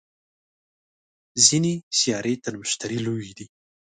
ځینې سیارې تر مشتري لویې دي